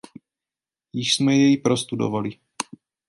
Již jsme jej prostudovali.